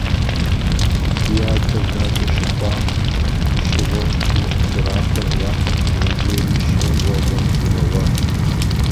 Ди адэр дадэ щыхъуам щыгъуэ, и кӏэрахъуэр уафэм дригъэзейри щэ уэгъуэ игъэуат.